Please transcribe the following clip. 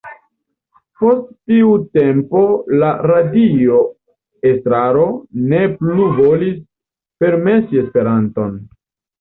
Post tiu tempo la radio-estraro ne plu volis permesi Esperanton.